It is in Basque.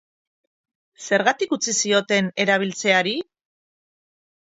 Zergatik utzi zioten erabiltzeari?